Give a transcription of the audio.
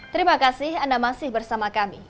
terima kasih anda masih bersama kami